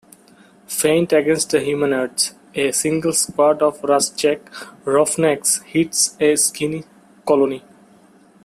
Feint against the humanoids: A single squad of Rasczak's Roughnecks hits a Skinny colony.